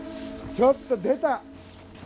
ちょっと出た！